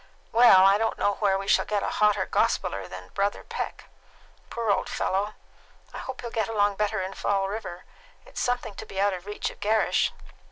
Well, I don't know where we shall get a hotter gospeller than Brother Peck. Poor old fellow! I hope he'll get along better in Fall River. It is something to be out of reach of Gerrish."